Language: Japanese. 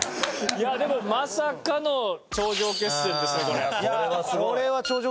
いやでもまさかの頂上決戦ですねこれ。